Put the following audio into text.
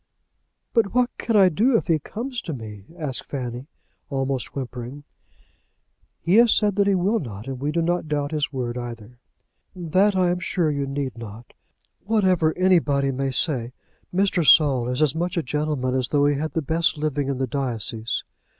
"But what can I do if he comes to me?" asked Fanny, almost whimpering. "He has said that he will not, and we do not doubt his word either." "That I am sure you need not. Whatever anybody may say, Mr. Saul is as much a gentleman as though he had the best living in the diocese.